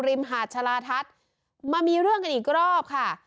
มหาดชาลาทัศน์มามีเรื่องกันอีกรอบค่ะ